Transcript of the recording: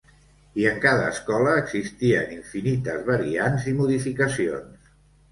I en cada escola existien infinites variants i modificacions.